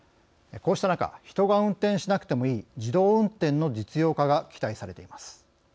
こうした中人が運転しなくてもいい自動運転の実用化が期待されています。